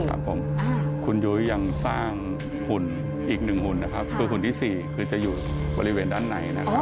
ครับผมคุณยุ้ยยังสร้างหุ่นอีกหนึ่งหุ่นนะครับคือหุ่นที่สี่คือจะอยู่บริเวณด้านในนะครับ